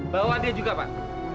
bawa dia juga pak